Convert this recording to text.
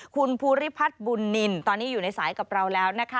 คุณภูริพัฒน์บุญนินตอนนี้อยู่ในสายกับเราแล้วนะคะ